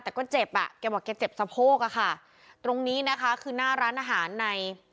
แต่ก็เจ็บอ่ะแกบอกแกเจ็บสะโพกอ่ะค่ะตรงนี้นะคะ